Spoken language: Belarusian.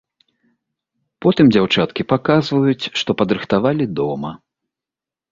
Потым дзяўчаткі паказваюць, што падрыхтавалі дома.